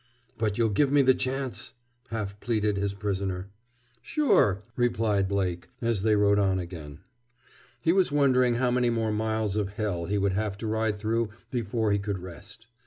"But you'll give me the chance?" half pleaded his prisoner. "Sure!" replied Blake, as they rode on again. He was wondering how many more miles of hell he would have to ride through before he could rest.